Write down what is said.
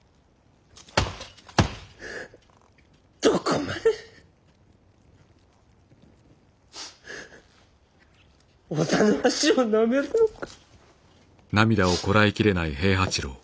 どこまで織田の足をなめるのか！